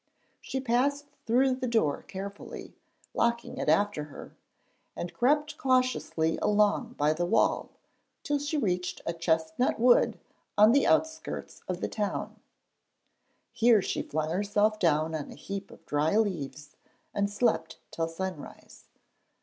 She passed through the door carefully, locking it after her, and crept cautiously along by the wall till she reached a chestnut wood on the outskirts of the town. Here she flung herself down on a heap of dry leaves and slept till sunrise.